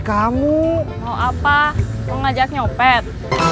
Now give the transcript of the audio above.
kamu mau ngajak nyopet